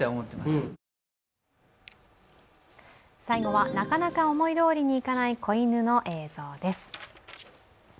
最後はなかなか思いどおりにいかない子犬の映像です。